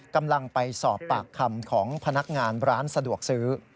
กำลังไปสอบปากคำของพนักงานร้านสะดวกซื้อ